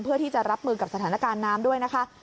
เพื่อที่จะรับมือกับสถานการณ์น้ำด้วยนะคะ